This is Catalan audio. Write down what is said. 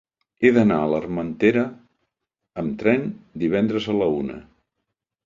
He d'anar a l'Armentera amb tren divendres a la una.